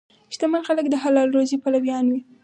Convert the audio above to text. شتمن خلک د حلال روزي پلویان وي.